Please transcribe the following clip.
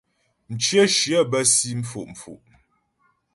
Mcyə shyə bə́ si mfo'fo'.